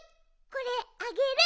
これあげる。